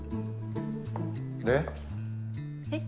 で？えっ？